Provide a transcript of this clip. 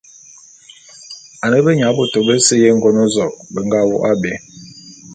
Ane benyabôtô bese y'Engôn-zok be nga wôk abé.